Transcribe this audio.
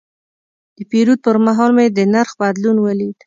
د پیرود پر مهال مې د نرخ بدلون ولید.